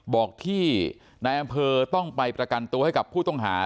บอกที่นายอำเภอต้องไปประกันตัวให้กับผู้ต้องหา